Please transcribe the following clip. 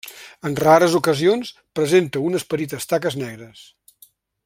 En rares ocasions, presenta unes petites taques negres.